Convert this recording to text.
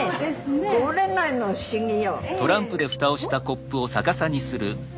こぼれないの不思議よ。